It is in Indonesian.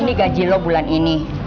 ini gaji lo bulan ini